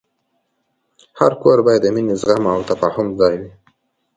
هر کور باید د مینې، زغم، او تفاهم ځای وي.